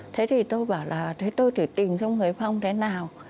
thế thì tôi bảo là thế tôi thử tìm trong người phong thế nào